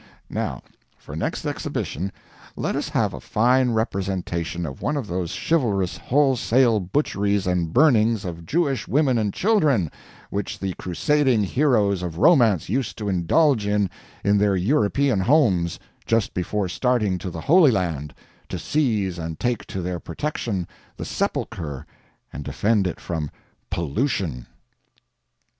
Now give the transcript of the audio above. Now, for next exhibition, let us have a fine representation of one of those chivalrous wholesale butcheries and burnings of Jewish women and children, which the crusading heroes of romance used to indulge in in their European homes, just before starting to the Holy Land, to seize and take to their protection the Sepulchre and defend it from "pollution."